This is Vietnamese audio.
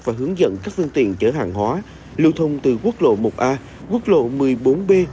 và hướng dẫn các phương tiện chở hàng hóa lưu thông từ quốc lộ một a quốc lộ một mươi bốn b